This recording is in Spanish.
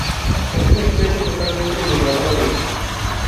Es una especie totalmente migratoria.